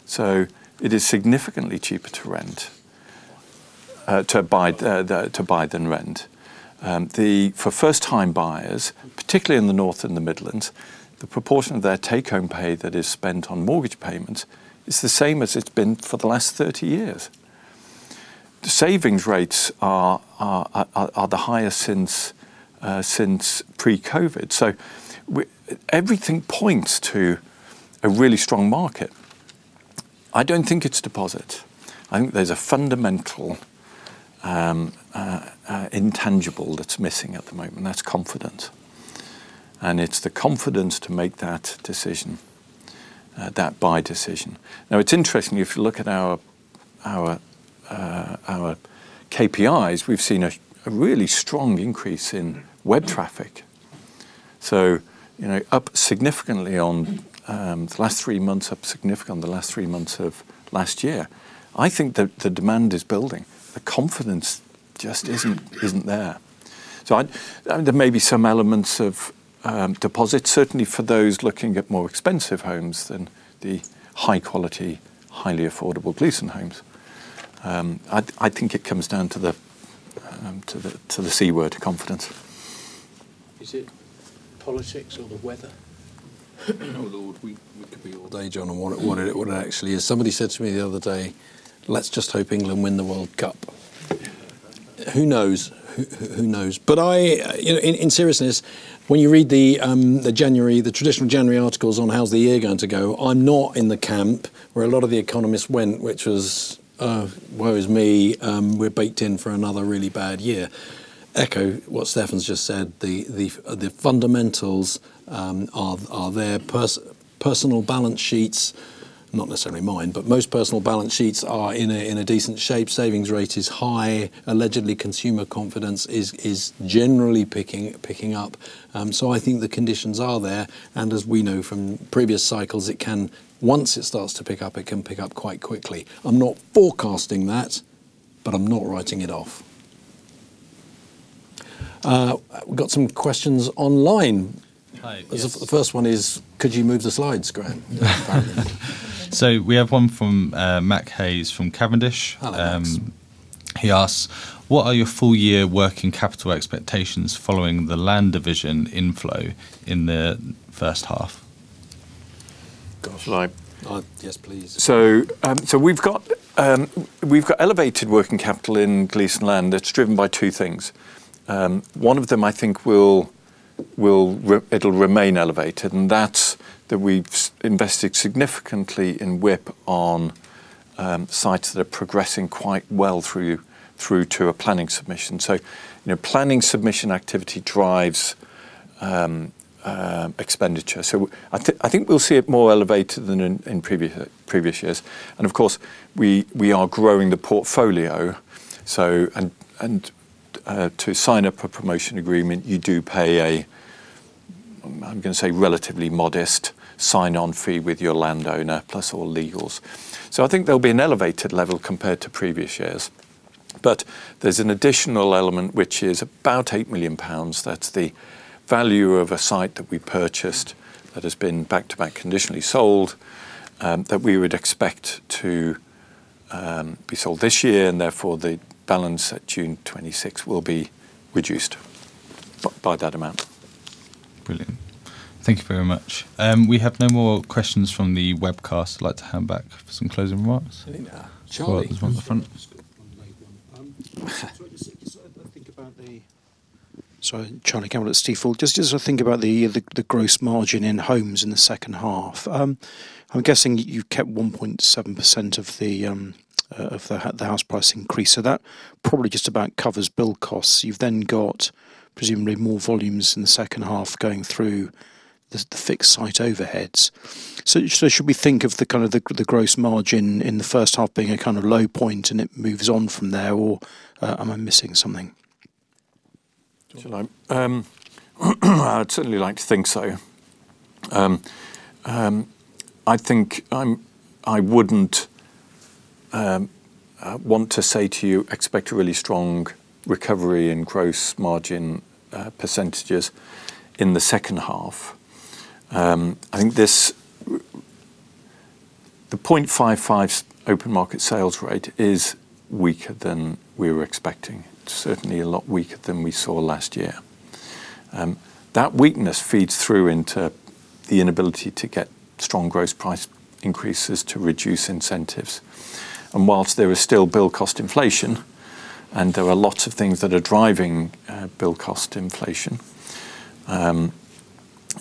So it is significantly cheaper to buy than rent. For first-time buyers, particularly in the North and the Midlands, the proportion of their take-home pay that is spent on mortgage payments is the same as it's been for the last 30 years. The savings rates are the highest since pre-COVID. So everything points to a really strong market. I don't think it's deposit. I think there's a fundamental intangible that's missing at the moment, and that's confidence. And it's the confidence to make that decision, that buy decision. Now, it's interesting if you look at our KPIs. We've seen a really strong increase in web traffic. So, you know, up significantly on the last three months, up significantly on the last three months of last year. I think that the demand is building. The confidence just isn't there. So I— There may be some elements of deposit, certainly for those looking at more expensive homes than the high quality, highly affordable Gleeson Homes. I think it comes down to the C word, confidence. Is it politics or the weather? Oh, Lord, we could be all day, John, on what it actually is. Somebody said to me the other day, "Let's just hope England win the World Cup." Who knows? Who knows? But I, you know, in seriousness, when you read the January, the traditional January articles on how's the year going to go, I'm not in the camp where a lot of the economists went, which was, "Woe is me, we're baked in for another really bad year." Echo what Stefan's just said, the fundamentals are there. Personal balance sheets, not necessarily mine, but most personal balance sheets are in a decent shape. Savings rate is high. Allegedly, consumer confidence is generally picking up. So I think the conditions are there, and as we know from previous cycles, it can. Once it starts to pick up, it can pick up quite quickly. I'm not forecasting that, but I'm not writing it off. We've got some questions online. Hi, yes. The first one is, could you move the slides, Graham? We have one from Matt Hayes from Cavendish. Hello, Matt. He asks: What are your full-year working capital expectations following the land division inflow in the first half? Gosh. Like, yes, please. So, so we've got we've got elevated working capital in Gleeson Land. It's driven by two things. One of them I think will remain elevated, and that's that we've invested significantly in WIP on sites that are progressing quite well through to a planning submission. So, you know, planning submission activity drives expenditure. So I think we'll see it more elevated than in previous years. And of course, we are growing the portfolio, and to sign up a promotion agreement, you do pay a, I'm gonna say, relatively modest sign-on fee with your landowner, plus all legals. So I think there'll be an elevated level compared to previous years. But there's an additional element, which is about 8 million pounds. That's the value of a site that we purchased that has been back-to-back conditionally sold, that we would expect to be sold this year, and therefore, the balance at June 2026 will be reduced by that amount. Brilliant. Thank you very much. We have no more questions from the webcast. I'd like to hand back for some closing remarks. Yeah. Charlie. On the front. So I just think about the... Sorry, Charlie Campbell at Stifel. Just to think about the gross margin in homes in the second half. I'm guessing you've kept 1.7% of the house price increase, so that probably just about covers build costs. You've then got presumably more volumes in the second half going through the fixed site overheads. So should we think of the kind of the gross margin in the first half being a kind of low point, and it moves on from there, or am I missing something? I'd certainly like to think so. I think I wouldn't want to say to you, expect a really strong recovery in gross margin percentages in the second half. I think this, the 0.55% open market sales rate is weaker than we were expecting, certainly a lot weaker than we saw last year. That weakness feeds through into the inability to get strong gross price increases to reduce incentives. While there is still build cost inflation, and there are lots of things that are driving build cost inflation,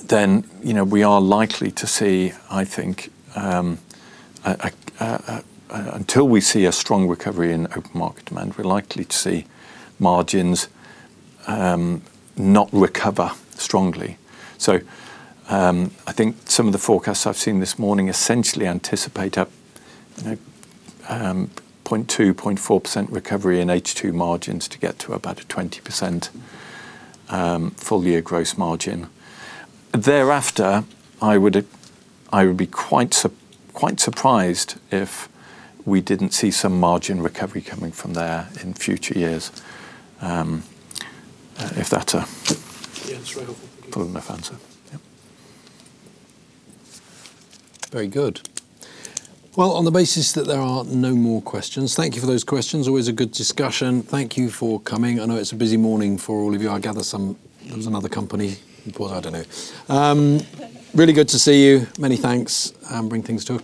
then, you know, we are likely to see, I think, until we see a strong recovery in open market demand, we're likely to see margins not recover strongly. I think some of the forecasts I've seen this morning essentially anticipate a 0.2%-0.4% recovery in H2 margins to get to about a 20% full-year gross margin. Thereafter, I would be quite surprised if we didn't see some margin recovery coming from there in future years. If that Yeah, it's very helpful. Probably enough answer. Yep. Very good. Well, on the basis that there are no more questions, thank you for those questions. Always a good discussion. Thank you for coming. I know it's a busy morning for all of you. I gather some- Mm. There was another company, well, I don't know. Really good to see you. Many thanks, and bring things to a close.